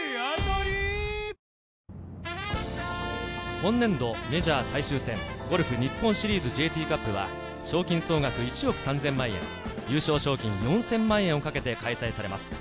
本年度メジャー最終戦、ゴルフ日本シリーズＪＴカップは、賞金総額１億３０００万円、優勝賞金４０００万円をかけて開催されます。